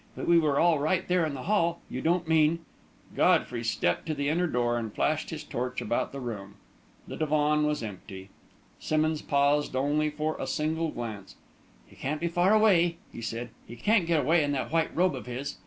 But we were all right there in the hall you don't mean ..." Godfrey stepped to the inner door and flashed his torch about the room. The divan was empty. Simmonds paused only for a single glance. "He can't be far away!" he said. "He can't get away in that white robe of his.